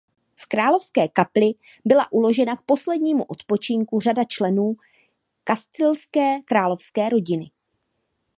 V královské kapli byla uložena k poslednímu odpočinku řada členů kastilské královské rodiny.